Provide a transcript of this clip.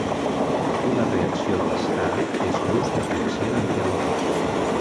Una reacció de l'estat és l'ús de policia antiavalots.